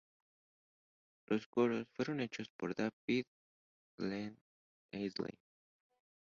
Los coros fueron hechos por David Glen Eisley.